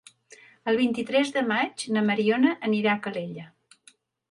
El vint-i-tres de maig na Mariona anirà a Calella.